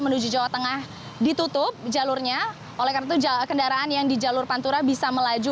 menuju jawa tengah ditutup jalurnya oleh karena itu kendaraan yang di jalur pantura bisa melaju